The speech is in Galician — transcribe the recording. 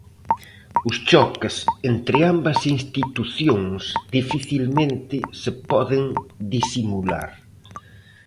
Os choques entre ambas institucións dificilmente se poden disimular.